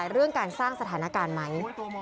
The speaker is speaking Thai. เรื่องการสร้างสถานการณ์ไหม